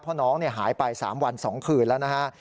เพราะน้องหายไป๓วัน๒คืนแล้วนะฮะ